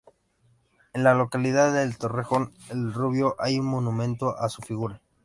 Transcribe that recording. En la localidad de Torrejón el Rubio hay un monumento a su figura.